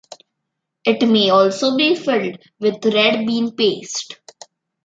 It may also be filled with red bean paste.